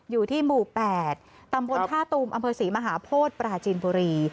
อยู่ที่หมู่๘ตำนวนภาคตูมอศมภาพภพราจินภุรี